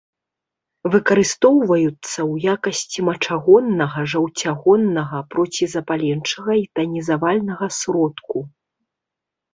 Выкарыстоўваюцца ў якасці мачагоннага, жаўцягоннага, процізапаленчага і танізавальнага сродку.